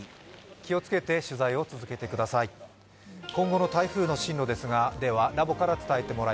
気をつけて取材を続けてください。